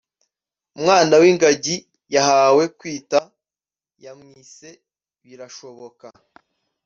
umwana w’ingagi yahawe kwita yamwise “Birashoboka”